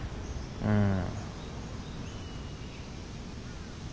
うん。